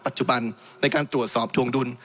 ปัจจุบันในการตรวจสอบทวงดุล